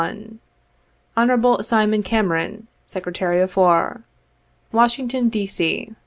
"Hon. SIMON CAMERON, Sec 'y of War, "Washington, D. C.